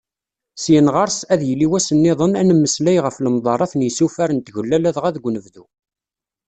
Syin ɣer-s, ad yili wass-nniḍen, ad nemmeslay ɣef lemḍarrat n yisufar n tgella ladɣa deg unebdu.